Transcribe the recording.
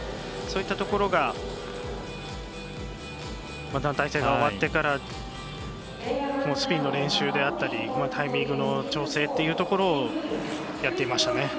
そういったところが団体戦が終わってからスピンの練習であったりタイミングの調整というところをやっていましたね。